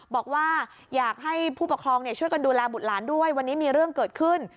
บอกว่าอยากให้ผู้ปกครองช่วยกันดูแลบุตรหลานด้วยวันนี้มีเรื่องเกิดขึ้น